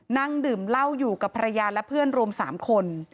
นั่งดื่มเหล้าอยู่กับภรรยาและเพื่อนรวม๓คน